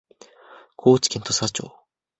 高知県土佐町